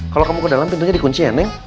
kalau kamu ke dalam pintunya dikunci ya neng